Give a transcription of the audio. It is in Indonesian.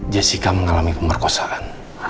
jessica mengalami pemerkosaan